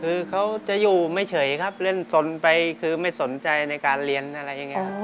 คือเขาจะอยู่ไม่เฉยครับเล่นสนไปคือไม่สนใจในการเรียนอะไรอย่างนี้ครับ